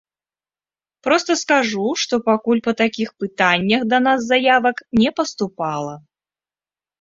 Проста скажу, што пакуль па такіх пытаннях да нас заявак не паступала.